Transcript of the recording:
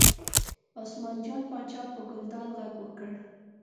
عثمان جان پاچا په ګلداد غږ وکړ.